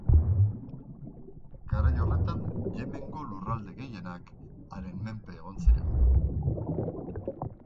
Garai horretan Yemengo lurralde gehienak haren menpe egon ziren.